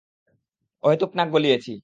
অহেতুক নাক গলিয়েছি।